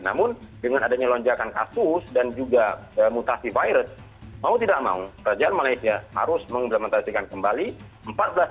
namun dengan adanya lonjakan kasus dan juga mutasi virus mau tidak mau kerajaan malaysia harus mengimplementasikan kembali